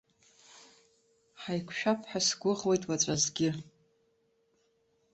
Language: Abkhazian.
Ҳаиқәшәап ҳәа сгәыӷуеит уаҵәазгьы!